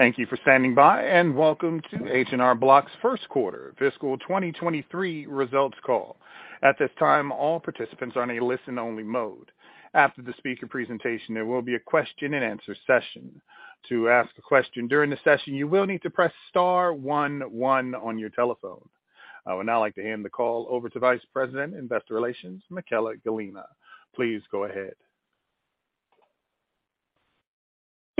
Thank you for standing by, and welcome to H&R Block's first quarter fiscal 2023 results call. At this time, all participants are in a listen-only mode. After the speaker presentation, there will be a question-and-answer session. To ask a question during the session, you will need to press star one one on your telephone. I would now like to hand the call over to Vice President, Investor Relations, Michaella Gallina. Please go ahead.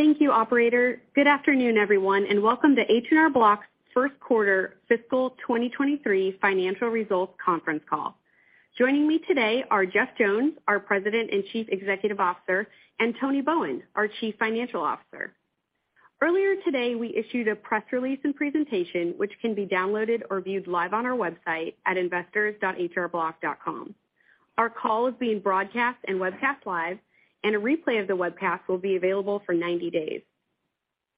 Thank you, operator. Good afternoon, everyone, and welcome to H&R Block's first quarter fiscal 2023 financial results conference call. Joining me today are Jeff Jones, our President and Chief Executive Officer, and Tony Bowen, our Chief Financial Officer. Earlier today, we issued a press release and presentation which can be downloaded or viewed live on our website at investors.hrblock.com. Our call is being broadcast and webcast live, and a replay of the webcast will be available for 90 days.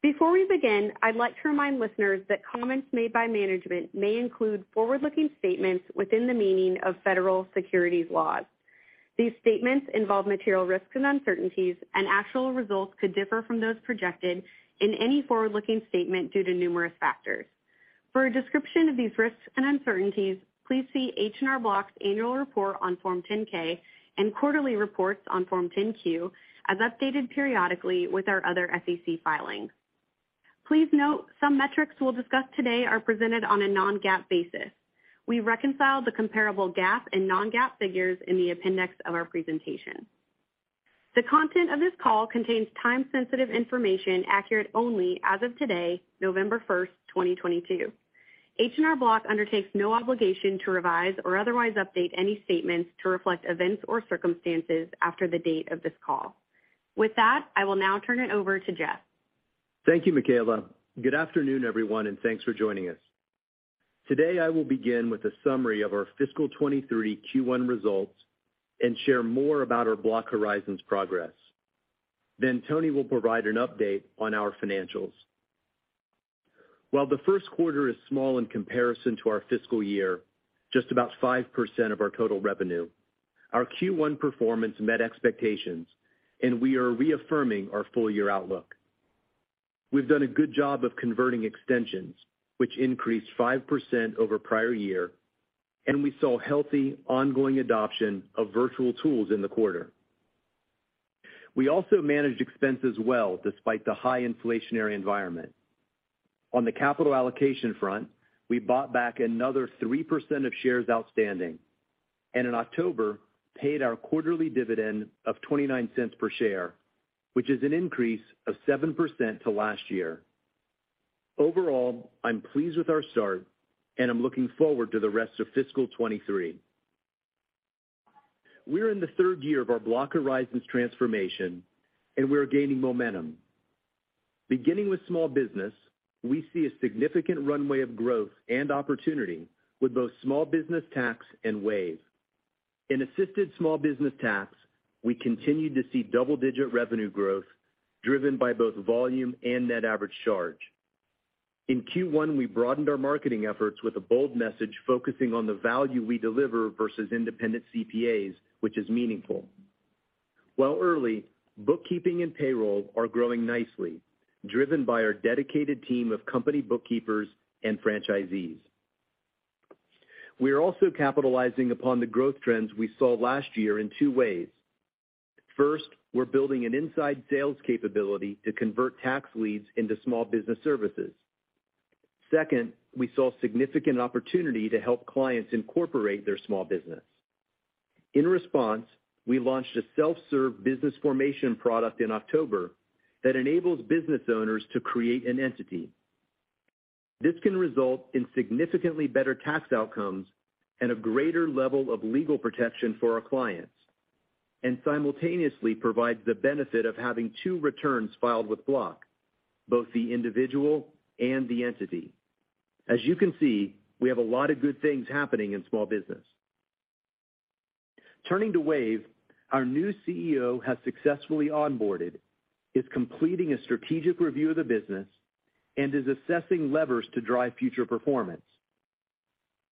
Before we begin, I'd like to remind listeners that comments made by management may include forward-looking statements within the meaning of federal securities laws. These statements involve material risks and uncertainties, and actual results could differ from those projected in any forward-looking statement due to numerous factors. For a description of these risks and uncertainties, please see H&R Block's annual report on Form 10-K and quarterly reports on Form 10-Q as updated periodically with our other SEC filings. Please note some metrics we'll discuss today are presented on a non-GAAP basis. We reconcile the comparable GAAP and non-GAAP figures in the appendix of our presentation. The content of this call contains time-sensitive information accurate only as of today, November 1st, 2022. H&R Block undertakes no obligation to revise or otherwise update any statements to reflect events or circumstances after the date of this call. With that, I will now turn it over to Jeff. Thank you, Michaella. Good afternoon, everyone, and thanks for joining us. Today, I will begin with a summary of our fiscal 2023 Q1 results and share more about our Block Horizons progress. Then Tony will provide an update on our financials. While the first quarter is small in comparison to our fiscal year, just about 5% of our total revenue, our Q1 performance met expectations, and we are reaffirming our full-year outlook. We've done a good job of converting extensions, which increased 5% over prior year, and we saw healthy ongoing adoption of virtual tools in the quarter. We also managed expenses well despite the high inflationary environment. On the capital allocation front, we bought back another 3% of shares outstanding and in October, paid our quarterly dividend of $0.29 per share, which is an increase of 7% to last year. Overall, I'm pleased with our start, and I'm looking forward to the rest of fiscal 2023. We're in the third year of our Block Horizons transformation, and we're gaining momentum. Beginning with small business, we see a significant runway of growth and opportunity with both small business tax and Wave. In assisted small business tax, we continued to see double-digit revenue growth driven by both volume and net average charge. In Q1, we broadened our marketing efforts with a bold message focusing on the value we deliver versus independent CPAs, which is meaningful. While early, bookkeeping and payroll are growing nicely, driven by our dedicated team of company bookkeepers and franchisees. We are also capitalizing upon the growth trends we saw last year in two ways. First, we're building an inside sales capability to convert tax leads into small business services. Second, we saw significant opportunity to help clients incorporate their small business. In response, we launched a self-serve business formation product in October that enables business owners to create an entity. This can result in significantly better tax outcomes and a greater level of legal protection for our clients, and simultaneously provides the benefit of having two returns filed with Block, both the individual and the entity. As you can see, we have a lot of good things happening in small business. Turning to Wave, our new CEO has successfully onboarded, is completing a strategic review of the business, and is assessing levers to drive future performance.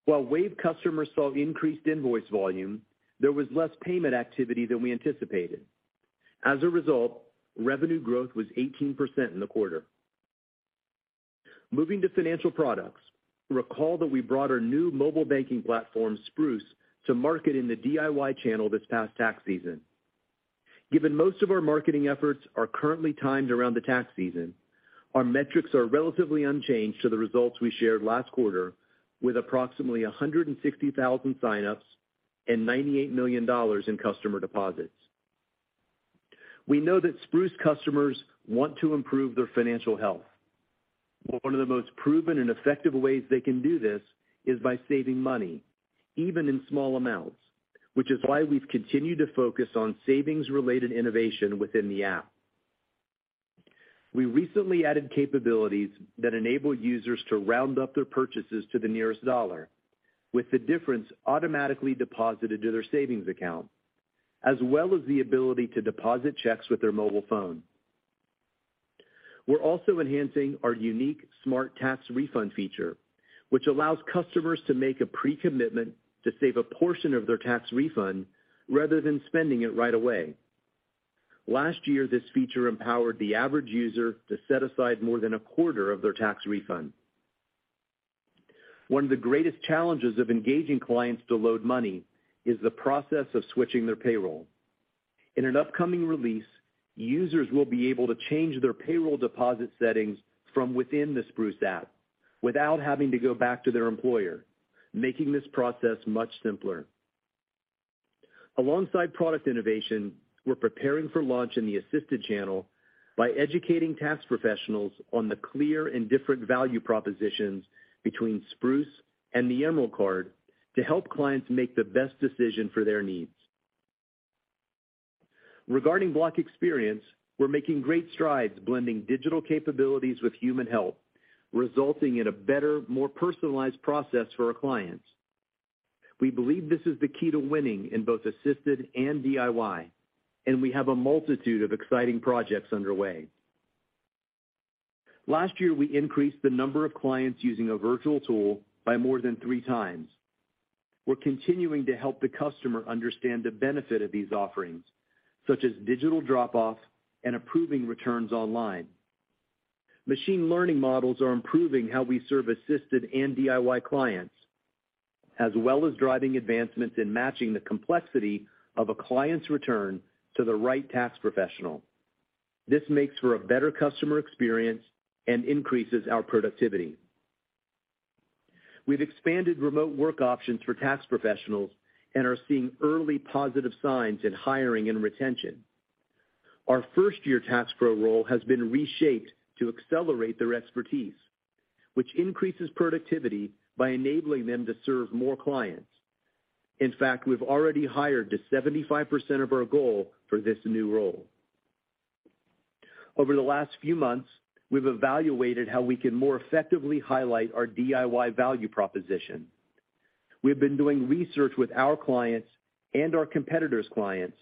While Wave customers saw increased invoice volume, there was less payment activity than we anticipated. As a result, revenue growth was 18% in the quarter. Moving to financial products. Recall that we brought our new mobile banking platform, Spruce, to market in the DIY channel this past tax season. Given most of our marketing efforts are currently timed around the tax season, our metrics are relatively unchanged from the results we shared last quarter with approximately 160,000 sign-ups and $98 million in customer deposits. We know that Spruce customers want to improve their financial health. One of the most proven and effective ways they can do this is by saving money, even in small amounts, which is why we've continued to focus on savings-related innovation within the app. We recently added capabilities that enable users to round up their purchases to the nearest dollar, with the difference automatically deposited to their savings account, as well as the ability to deposit checks with their mobile phone. We're also enhancing our unique smart tax refund feature, which allows customers to make a pre-commitment to save a portion of their tax refund rather than spending it right away. Last year, this feature empowered the average user to set aside more than a quarter of their tax refund. One of the greatest challenges of engaging clients to load money is the process of switching their payroll. In an upcoming release, users will be able to change their payroll deposit settings from within the Spruce app without having to go back to their employer, making this process much simpler. Alongside product innovation, we're preparing for launch in the assisted channel by educating tax professionals on the clear and different value propositions between Spruce and the Emerald Card to help clients make the best decision for their needs. Regarding Block Experience, we're making great strides blending digital capabilities with human help, resulting in a better, more personalized process for our clients. We believe this is the key to winning in both assisted and DIY, and we have a multitude of exciting projects underway. Last year, we increased the number of clients using a virtual tool by more than three times. We're continuing to help the customer understand the benefit of these offerings, such as Digital Drop-Off and approving returns online. Machine learning models are improving how we serve assisted and DIY clients, as well as driving advancements in matching the complexity of a client's return to the right tax professional. This makes for a better customer experience and increases our productivity. We've expanded remote work options for tax professionals and are seeing early positive signs in hiring and retention. Our first year Tax Pro role has been reshaped to accelerate their expertise, which increases productivity by enabling them to serve more clients. In fact, we've already hired to 75% of our goal for this new role. Over the last few months, we've evaluated how we can more effectively highlight our DIY value proposition. We have been doing research with our clients and our competitors' clients,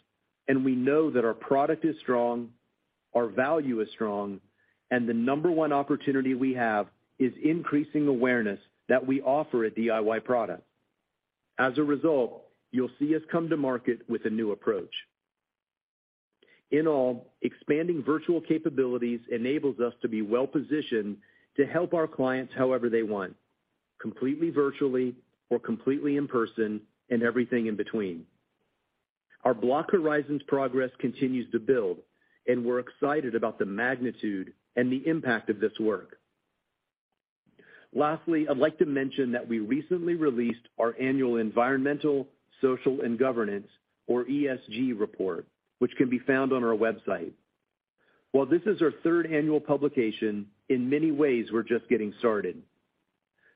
and we know that our product is strong, our value is strong, and the number one opportunity we have is increasing awareness that we offer a DIY product. As a result, you'll see us come to market with a new approach. In all, expanding virtual capabilities enables us to be well-positioned to help our clients however they want, completely virtually or completely in person, and everything in between. Our Block Horizons progress continues to build, and we're excited about the magnitude and the impact of this work. Lastly, I'd like to mention that we recently released our Annual Environmental, Social, and Governance, or ESG Report, which can be found on our website. While this is our third annual publication, in many ways, we're just getting started.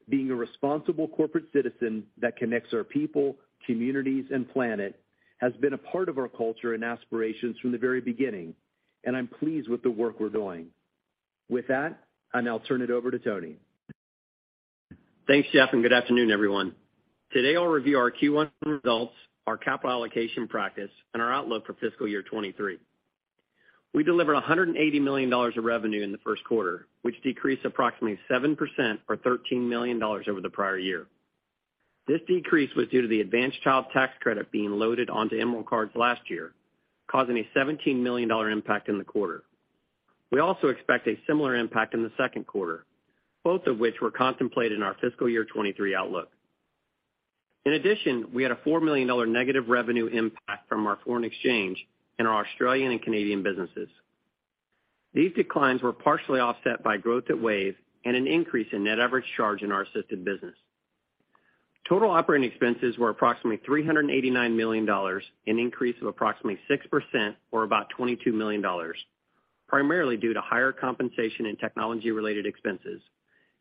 Being a responsible corporate citizen that connects our people, communities, and planet has been a part of our culture and aspirations from the very beginning, and I'm pleased with the work we're doing. With that, I'll now turn it over to Tony. Thanks, Jeff, and good afternoon, everyone. Today, I'll review our Q1 results, our capital allocation practice, and our outlook for fiscal year 2023. We delivered $180 million of revenue in the first quarter, which decreased approximately 7% or $13 million over the prior year. This decrease was due to the advanced Child Tax Credit being loaded onto Emerald Card last year, causing a $17 million impact in the quarter. We also expect a similar impact in the second quarter, both of which were contemplated in our fiscal year 2023 outlook. In addition, we had a $4 million negative revenue impact from our foreign exchange in our Australian and Canadian businesses. These declines were partially offset by growth at Wave and an increase in net average charge in our assisted business. Total operating expenses were approximately $389 million, an increase of approximately 6% or about $22 million, primarily due to higher compensation and technology-related expenses,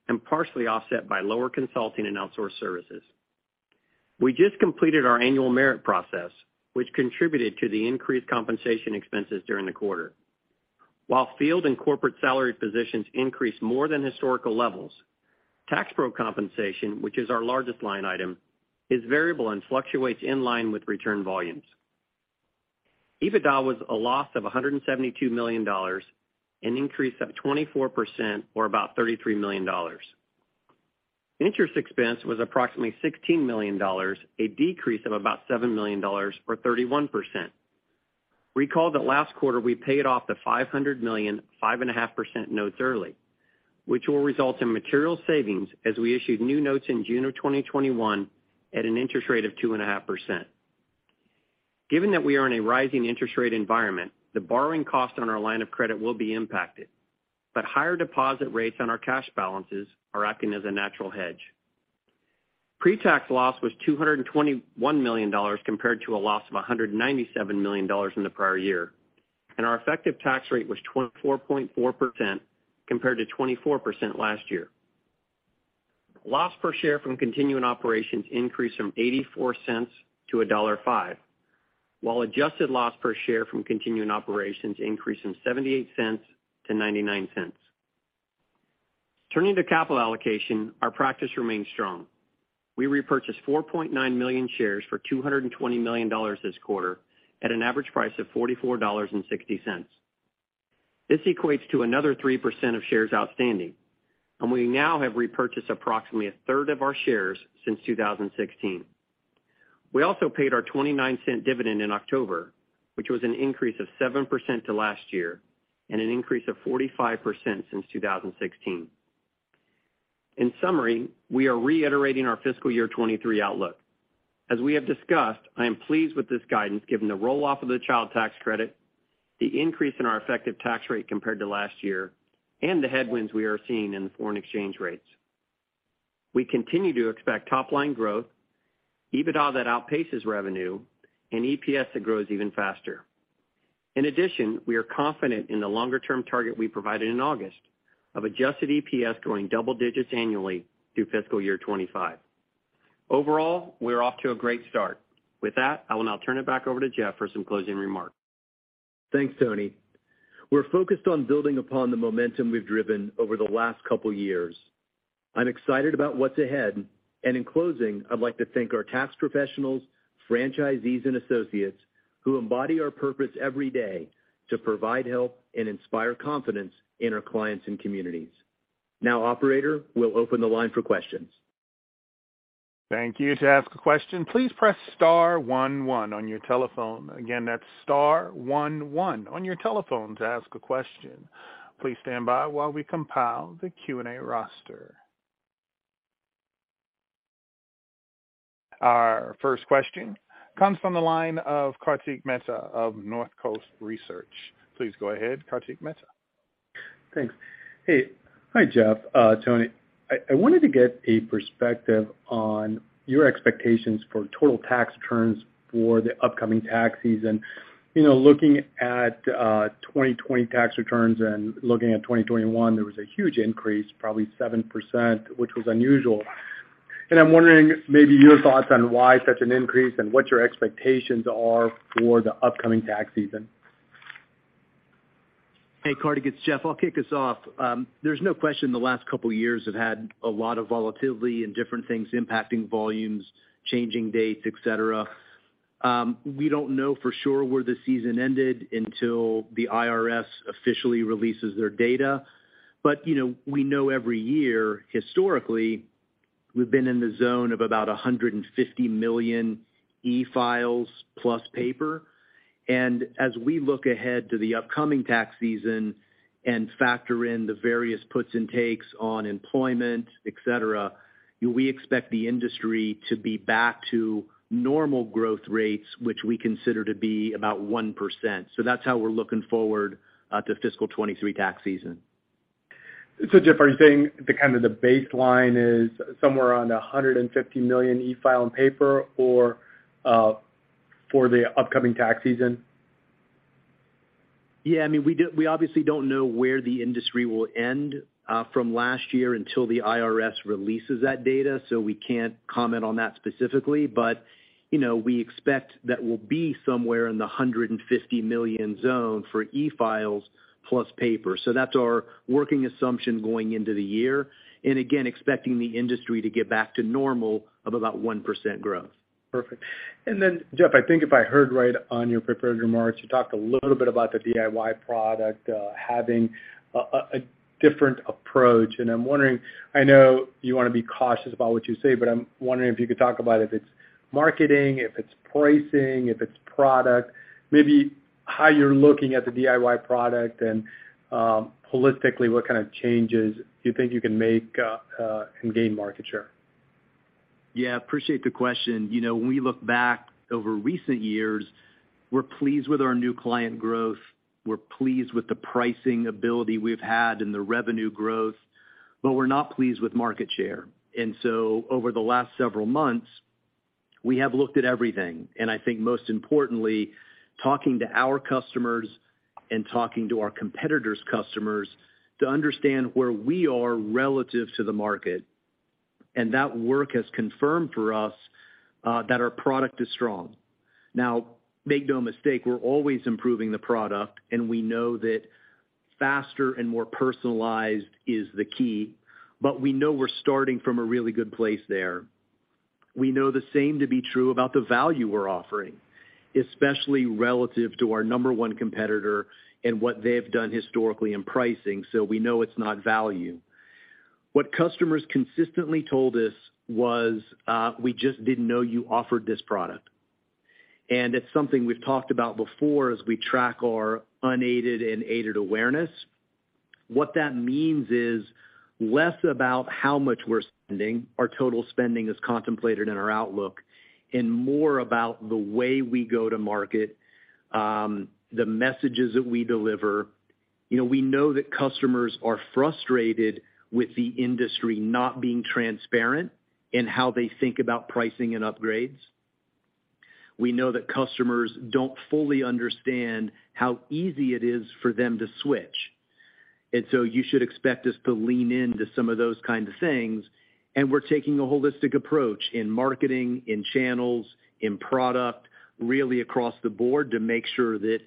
and partially offset by lower consulting and outsourced services. We just completed our annual merit process, which contributed to the increased compensation expenses during the quarter. While field and corporate salary positions increased more than historical levels, Tax Pro compensation, which is our largest line item, is variable and fluctuates in line with return volumes. EBITDA was a loss of $172 million, an increase of 24% or about $33 million. Interest expense was approximately $16 million, a decrease of about $7 million or 31%. Recall that last quarter we paid off the $500 million, 5.5% notes early, which will result in material savings as we issued new notes in June of 2021 at an interest rate of 2.5%. Given that we are in a rising interest rate environment, the borrowing cost on our line of credit will be impacted, but higher deposit rates on our cash balances are acting as a natural hedge. Pre-tax loss was $221 million compared to a loss of $197 million in the prior year, and our effective tax rate was 24.4% compared to 24% last year. Loss per share from continuing operations increased from $0.84 to $1.05, while adjusted loss per share from continuing operations increased from $0.78 to $0.99. Turning to capital allocation, our practice remains strong. We repurchased 4.9 million shares for $220 million this quarter at an average price of $44.60. This equates to another 3% of shares outstanding, and we now have repurchased approximately a third of our shares since 2016. We also paid our $0.29 dividend in October, which was an increase of 7% to last year and an increase of 45% since 2016. In summary, we are reiterating our fiscal year 2023 outlook. As we have discussed, I am pleased with this guidance given the roll off of the Child Tax Credit, the increase in our effective tax rate compared to last year, and the headwinds we are seeing in the foreign exchange rates. We continue to expect top line growth, EBITDA that outpaces revenue and EPS that grows even faster. In addition, we are confident in the longer term target we provided in August of adjusted EPS growing double digits annually through fiscal year 2025. Overall, we're off to a great start. With that, I will now turn it back over to Jeff for some closing remarks. Thanks, Tony. We're focused on building upon the momentum we've driven over the last couple years. I'm excited about what's ahead. In closing, I'd like to thank our tax professionals, franchisees and associates who embody our purpose every day to provide help and inspire confidence in our clients and communities. Now, operator, we'll open the line for questions. Thank you. To ask a question, please press star one one on your telephone. Again, that's star one one on your telephone to ask a question. Please stand by while we compile the Q&A roster. Our first question comes from the line of Kartik Mehta of Northcoast Research. Please go ahead, Kartik Mehta. Thanks. Hey. Hi, Jeff, Tony. I wanted to get a perspective on your expectations for total tax returns for the upcoming tax season. You know, looking at 2020 tax returns and looking at 2021, there was a huge increase, probably 7%, which was unusual. I'm wondering maybe your thoughts on why such an increase and what your expectations are for the upcoming tax season? Hey, Kartik. It's Jeff. I'll kick us off. There's no question the last couple years have had a lot of volatility and different things impacting volumes, changing dates, et cetera. We don't know for sure where the season ended until the IRS officially releases their data. You know, we know every year historically, we've been in the zone of about 150 million e-files plus paper. As we look ahead to the upcoming tax season and factor in the various puts and takes on employment, et cetera, we expect the industry to be back to normal growth rates, which we consider to be about 1%. That's how we're looking forward to fiscal 2023 tax season. Jeff, are you saying the kind of the baseline is somewhere around 150 million e-file and paper or for the upcoming tax season? Yeah, I mean, we obviously don't know where the industry will end from last year until the IRS releases that data, so we can't comment on that specifically. You know, we expect that we'll be somewhere in the 150 million zone for e-files plus paper. That's our working assumption going into the year. Again, expecting the industry to get back to normal of about 1% growth. Perfect. Jeff, I think if I heard right on your prepared remarks, you talked a little bit about the DIY product having a different approach. I'm wondering, I know you wanna be cautious about what you say, but I'm wondering if you could talk about if it's marketing, if it's pricing, if it's product, maybe how you're looking at the DIY product and holistically, what kind of changes you think you can make and gain market share? Yeah, appreciate the question. You know, when we look back over recent years, we're pleased with our new client growth. We're pleased with the pricing ability we've had and the revenue growth, but we're not pleased with market share. Over the last several months, we have looked at everything, and I think most importantly, talking to our customers and talking to our competitors' customers to understand where we are relative to the market. That work has confirmed for us that our product is strong. Now, make no mistake, we're always improving the product, and we know that faster and more personalized is the key, but we know we're starting from a really good place there. We know the same to be true about the value we're offering, especially relative to our number one competitor and what they've done historically in pricing, so we know it's not value. What customers consistently told us was, "We just didn't know you offered this product." It's something we've talked about before as we track our unaided and aided awareness. What that means is less about how much we're spending, our total spending is contemplated in our outlook, and more about the way we go to market, the messages that we deliver. You know, we know that customers are frustrated with the industry not being transparent in how they think about pricing and upgrades. We know that customers don't fully understand how easy it is for them to switch. You should expect us to lean into some of those kinds of things. We're taking a holistic approach in marketing, in channels, in product, really across the board to make sure that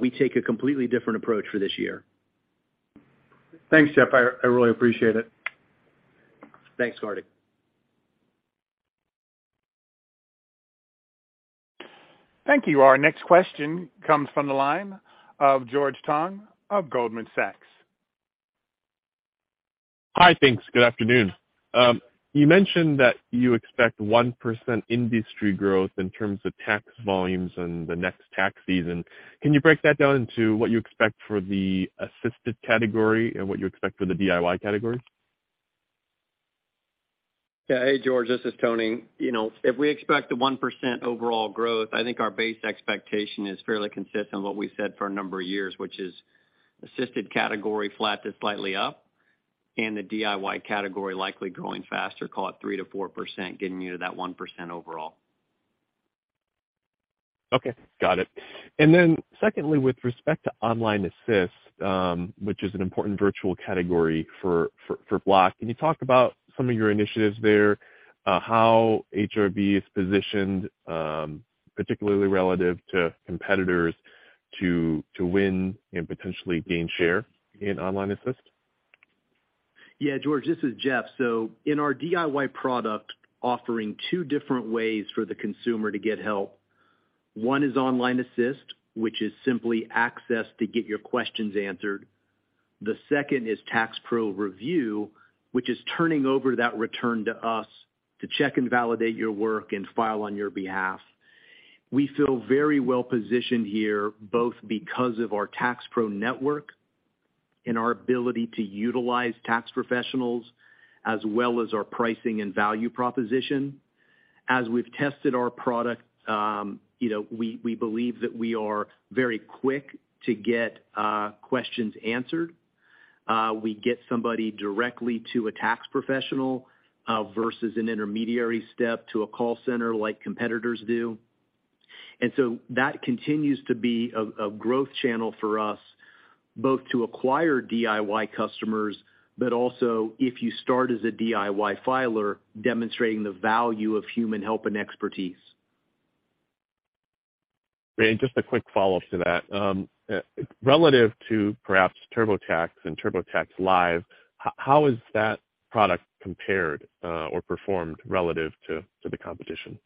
we take a completely different approach for this year. Thanks, Jeff. I really appreciate it. Thanks, Kartik. Thank you. Our next question comes from the line of George Tong of Goldman Sachs. Hi. Thanks. Good afternoon. You mentioned that you expect 1% industry growth in terms of tax volumes in the next tax season. Can you break that down into what you expect for the assisted category and what you expect for the DIY category? Yeah. Hey, George, this is Tony. You know, if we expect the 1% overall growth, I think our base expectation is fairly consistent with what we said for a number of years, which is assisted category flat to slightly up and the DIY category likely growing faster, call it 3%-4%, getting you to that 1% overall. Okay. Got it. Then secondly, with respect to Online Assist, which is an important virtual category for Block, can you talk about some of your initiatives there, how HRB is positioned, particularly relative to competitors to win and potentially gain share in Online Assist? Yeah, George, this is Jeff. In our DIY product offering two different ways for the consumer to get help, one is Online Assist, which is simply access to get your questions answered. The second is Tax Pro Review, which is turning over that return to us to check and validate your work and file on your behalf. We feel very well positioned here, both because of our Tax Pro network and our ability to utilize tax professionals as well as our pricing and value proposition. As we've tested our product, you know, we believe that we are very quick to get questions answered. We get somebody directly to a tax professional versus an intermediary step to a call center like competitors do. That continues to be a growth channel for us, both to acquire DIY customers, but also if you start as a DIY filer, demonstrating the value of human help and expertise. Great. Just a quick follow-up to that. Relative to perhaps TurboTax and TurboTax Live, how has that product compared, or performed relative to the competition?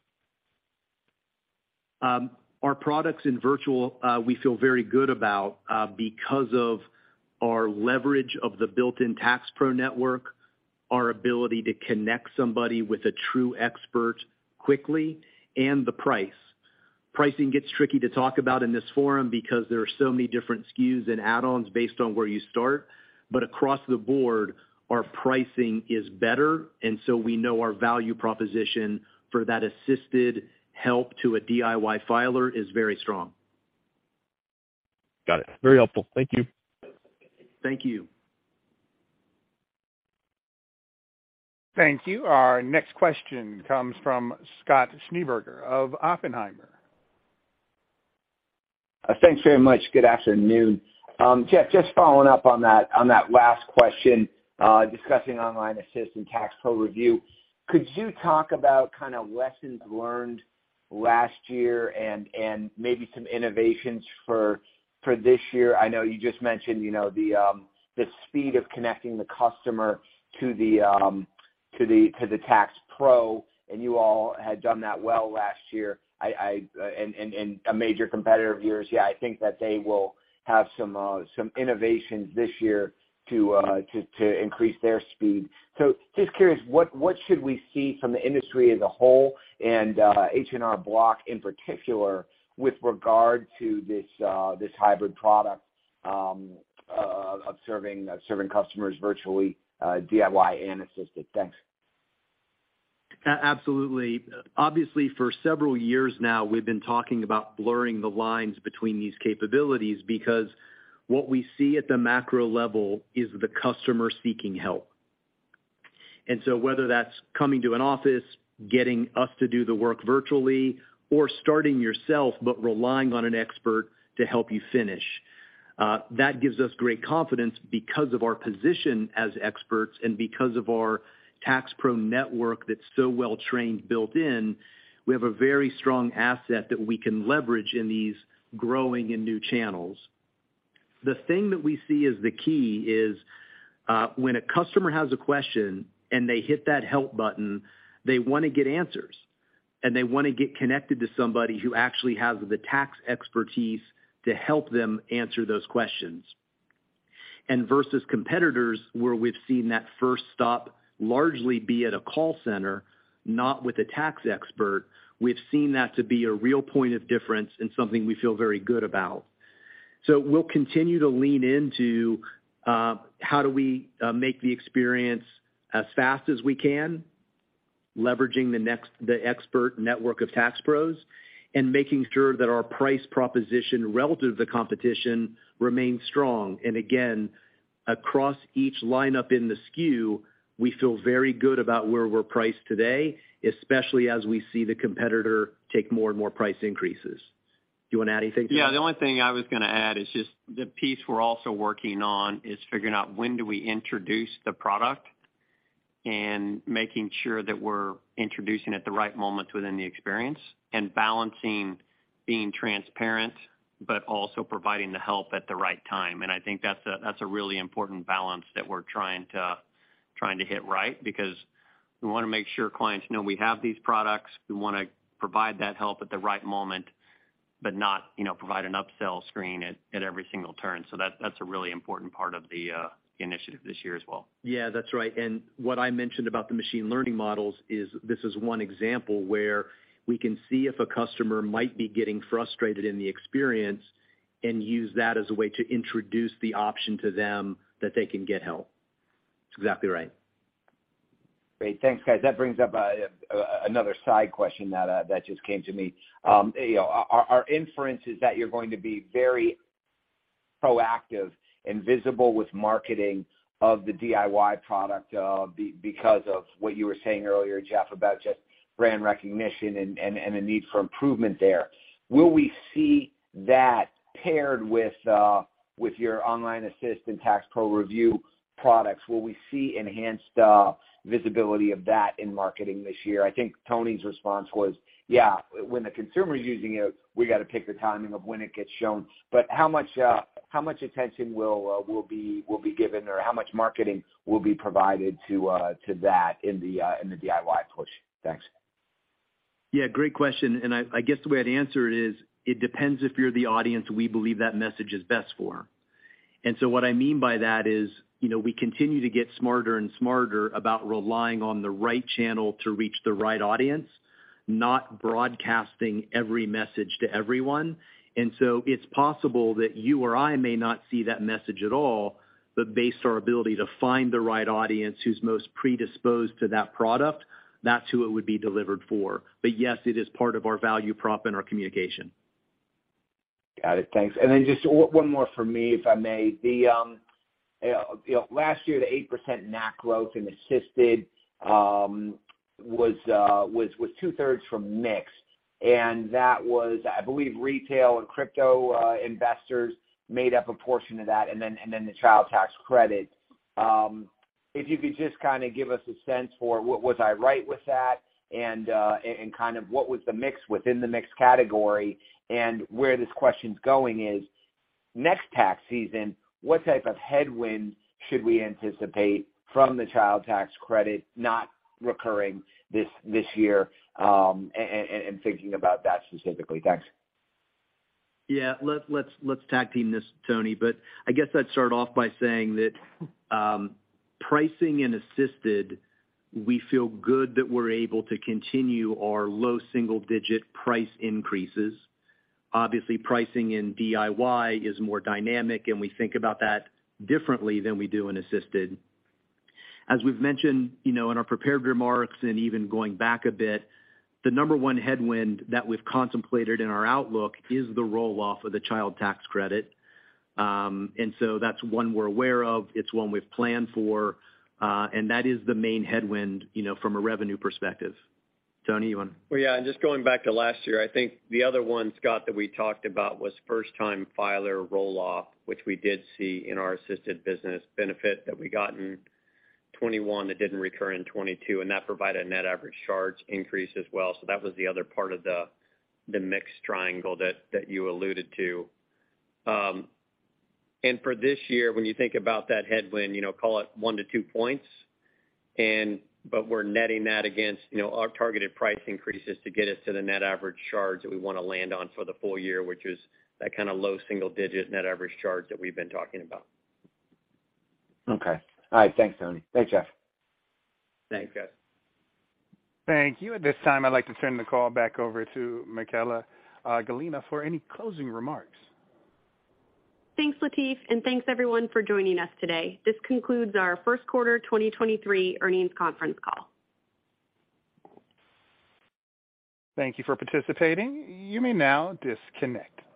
Our products in virtual, we feel very good about, because of our leverage of the built-in Tax Pro network, our ability to connect somebody with a true expert quickly and the price. Pricing gets tricky to talk about in this forum because there are so many different SKUs and add-ons based on where you start. Across the board, our pricing is better, and so we know our value proposition for that assisted help to a DIY filer is very strong. Got it. Very helpful. Thank you. Thank you. Thank you. Our next question comes from Scott Schneeberger of Oppenheimer. Thanks very much. Good afternoon. Jeff, just following up on that last question, discussing Online Assist and Tax Pro Review. Could you talk about kinda lessons learned last year and maybe some innovations for this year? I know you just mentioned, you know, the speed of connecting the customer to the Tax Pro, and you all had done that well last year. And a major competitor of yours, yeah, I think that they will have some innovations this year to increase their speed. So just curious, what should we see from the industry as a whole and H&R Block in particular with regard to this hybrid product of serving customers virtually, DIY and assisted? Thanks. Absolutely. Obviously, for several years now, we've been talking about blurring the lines between these capabilities because what we see at the macro level is the customer seeking help. Whether that's coming to an office, getting us to do the work virtually or starting yourself but relying on an expert to help you finish, that gives us great confidence because of our position as experts and because of our Tax Pro network that's so well trained, built in, we have a very strong asset that we can leverage in these growing and new channels. The thing that we see as the key is, when a customer has a question and they hit that help button, they wanna get answers, and they wanna get connected to somebody who actually has the tax expertise to help them answer those questions. Versus competitors, where we've seen that first stop largely be at a call center, not with a tax expert, we've seen that to be a real point of difference and something we feel very good about. We'll continue to lean into how do we make the experience as fast as we can, leveraging the expert network of Tax Pros, and making sure that our price proposition relative to competition remains strong. Again, across each lineup in the SKU, we feel very good about where we're priced today, especially as we see the competitor take more and more price increases. Do you wanna add anything to that? Yeah. The only thing I was gonna add is just the piece we're also working on is figuring out when do we introduce the product and making sure that we're introducing at the right moments within the experience and balancing being transparent. Also providing the help at the right time. I think that's a really important balance that we're trying to hit right, because we wanna make sure clients know we have these products. We wanna provide that help at the right moment, but not, you know, provide an upsell screen at every single turn. That's a really important part of the initiative this year as well. Yeah, that's right. What I mentioned about the machine learning models is this is one example where we can see if a customer might be getting frustrated in the experience and use that as a way to introduce the option to them that they can get help. It's exactly right. Great. Thanks, guys. That brings up another side question that just came to me. You know, our inference is that you're going to be very proactive and visible with marketing of the DIY product because of what you were saying earlier, Jeff, about just brand recognition and a need for improvement there. Will we see that paired with your Online Assist and Tax Pro Review products? Will we see enhanced visibility of that in marketing this year? I think Tony's response was, yeah, when the consumer is using it, we gotta pick the timing of when it gets shown. How much attention will be given, or how much marketing will be provided to that in the DIY push? Thanks. Yeah, great question. I guess the way I'd answer it is, it depends if you're the audience we believe that message is best for. What I mean by that is, you know, we continue to get smarter and smarter about relying on the right channel to reach the right audience, not broadcasting every message to everyone. It's possible that you or I may not see that message at all, but based on our ability to find the right audience who's most predisposed to that product, that's who it would be delivered for. Yes, it is part of our value prop and our communication. Got it. Thanks. Just one more for me, if I may. You know, last year, the 8% NAC growth in Assisted was two-thirds from mix, and that was, I believe, retail and crypto investors made up a portion of that, and then the Child Tax Credit. If you could just kinda give us a sense for was I right with that and kind of what was the mix within the mixed category? Where this question's going is, next tax season, what type of headwind should we anticipate from the Child Tax Credit not recurring this year, and thinking about that specifically? Thanks. Yeah. Let's tag-team this, Tony. I guess I'd start off by saying that, pricing in Assisted, we feel good that we're able to continue our low single-digit price increases. Obviously, pricing in DIY is more dynamic, and we think about that differently than we do in Assisted. As we've mentioned, you know, in our prepared remarks and even going back a bit, the number one headwind that we've contemplated in our outlook is the roll-off of the Child Tax Credit. That's one we're aware of, it's one we've planned for, and that is the main headwind, you know, from a revenue perspective. Tony, you wanna? Well, yeah. Just going back to last year, I think the other one, Scott, that we talked about was first-time filer roll-off, which we did see in our Assisted business benefit that we got in 2021 that didn't recur in 2022, and that provided net average charge increase as well. That was the other part of the mix triangle that you alluded to. For this year, when you think about that headwind, you know, call it 1-2 points, but we're netting that against, you know, our targeted price increases to get us to the net average charge that we wanna land on for the full year, which is that kinda low single digit net average charge that we've been talking about. Okay. All right. Thanks, Tony. Thanks, Jeff. Thanks, guys. Thank you. At this time, I'd like to turn the call back over to Michaella Gallina for any closing remarks. Thanks, Latif, and thanks everyone for joining us today. This concludes our first quarter 2023 earnings conference call. Thank you for participating. You may now disconnect.